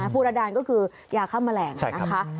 ฟูรดานก็คือยาฆ่าแมลงนะคะ